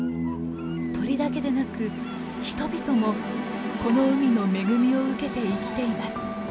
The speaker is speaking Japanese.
鳥だけでなく人々もこの海の恵みを受けて生きています。